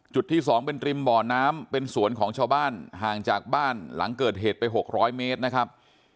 จุดที่๒เป็นริมบ่อน้ำเป็นสวนของชาวบ้านห่างจากบ้านหลังเกิดเหตุไป๖๐๐เมตรนะครับ